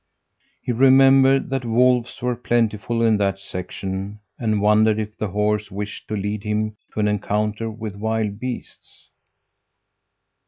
He remembered that wolves were plentiful in that section and wondered if the horse wished to lead him to an encounter with wild beasts.